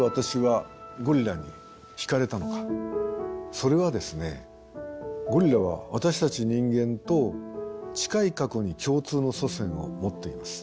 それはゴリラは私たち人間と近い過去に共通の祖先を持っています。